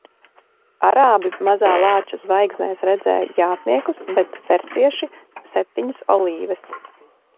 Arābi Mazā Lāča zvaigznēs redzēja jātniekus, bet persieši – septiņas olīves.